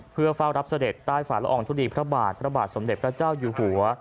เพื่อเฝ้ารับเสด็จใต้ฝาละอองทุลีพระบาทพระบาทสมเด็จพระเจ้าอยู่หัว